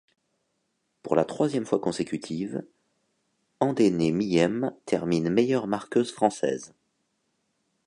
Pour la troisième fois consécutive, Endéné Miyem termine meilleure marqueuse française.